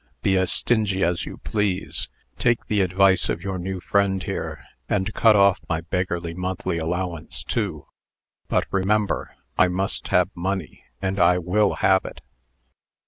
Be as stingy as you please. Take the advice of your new friend here, and cut off my beggarly monthly allowance, too. But remember, I must have money, and I will have it!"